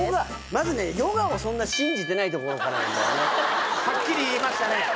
まずねそんなところからなんだよねはっきり言いましたね